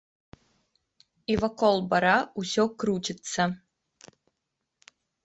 І вакол бара ўсё круціцца.